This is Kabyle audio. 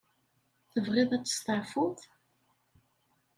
Tebɣiḍ ad testeεfuḍ?